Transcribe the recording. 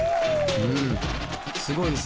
うんすごいですね。